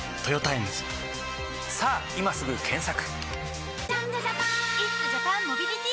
さぁ今すぐ検索！